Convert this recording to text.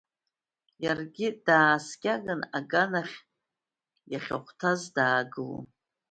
Иаргьы дааскьаны аганахь, иахьахәҭаз даагылон.